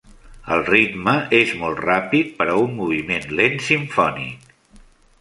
El ritme és molt ràpid per a un moviment lent simfònic.